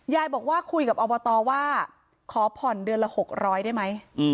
ยายบอกว่าคุยกับอบตว่าขอผ่อนเดือนละ๖๐๐ได้ไหม